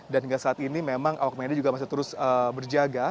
dan hingga saat ini memang awak media juga masih terus berjaga